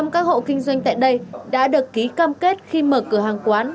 một trăm linh các hộ kinh doanh tại đây đã được ký cam kết khi mở cửa hàng quán